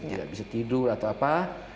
tidak bisa tidur atau apa